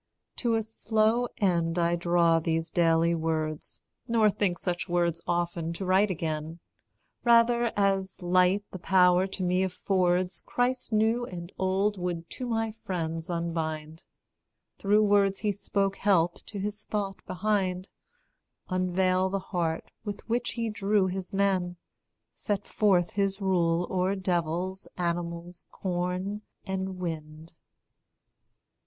To a slow end I draw these daily words, Nor think such words often to write again Rather, as light the power to me affords, Christ's new and old would to my friends unbind; Through words he spoke help to his thought behind; Unveil the heart with which he drew his men; Set forth his rule o'er devils, animals, corn, and wind.